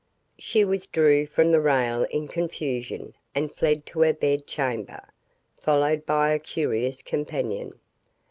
She withdrew from the rail in confusion and fled to her bed chamber, followed by her curious companion.